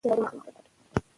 دا کلی پرمختګ ته روان دی.